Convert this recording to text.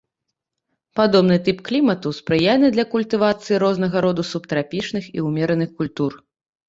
Падобны тып клімату спрыяльны для культывацыі рознага роду субтрапічных і ўмераных культур.